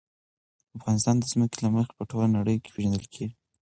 افغانستان د ځمکه له مخې په ټوله نړۍ کې پېژندل کېږي.